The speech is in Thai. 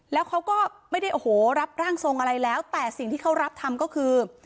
แล้วเขาก็ไม่ได้โอ้โหรับร่างทรงอะไรแล้วแต่สิ่งที่เขารับทำก็คือ